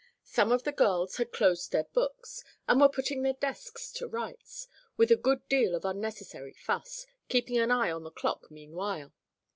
Some of the girls had closed their books, and were putting their desks to rights, with a good deal of unnecessary fuss, keeping an eye on the clock meanwhile.